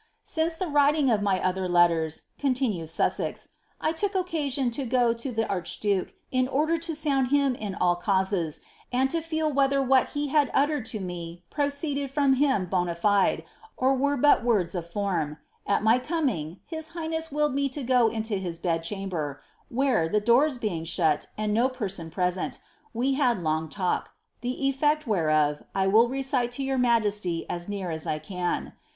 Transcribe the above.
" Since the writing of my other leiiera," oontinues Susaei, ■■ I look occwiaa B fO 10 the arebduke in order lo saund him in all cauiies, and lo feel whether what he had tillered 10 me proceeded from him bonafidiy or were but words of Ibmi. A< my coming, bis highness willed me 10 go into his bed cliamber, wbeie, the doors being shut and no per^n present, we had long talk, die elfect wbereof I will cecile to yom majesty as near as 1 can.